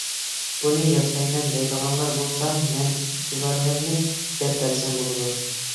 بۇنى ياسايمەن دەيدىغانلار بولسا مەن ئىقتىدارلىرىنى دەپ بەرسەم بولىدۇ.